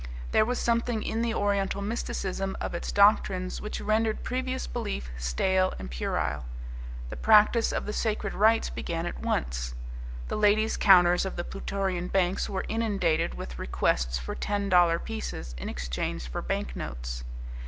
There was something in the Oriental mysticism of its doctrines which rendered previous belief stale and puerile. The practice of the sacred rites began at once. The ladies' counters of the Plutorian banks were inundated with requests for ten dollar pieces in exchange for banknotes.